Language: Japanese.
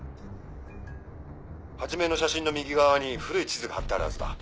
始の写真の右側に古い地図が張ってあるはずだ。